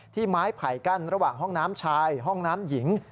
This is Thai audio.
ไม้ไผ่กั้นระหว่างห้องน้ำชายห้องน้ำหญิง